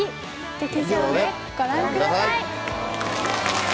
劇場でご覧ください。